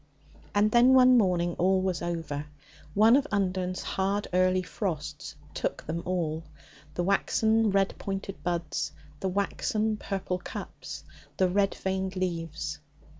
And then one morning all was over; one of Undern's hard early frosts took then all the waxen red pointed buds, the waxen purple cups, the red veined leaves.